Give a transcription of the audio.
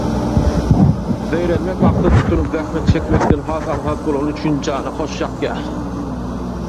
Zeýrenmek maksat tutunyp zähmet çekmekden has aňsat bolany üçin jana hoş ýakýar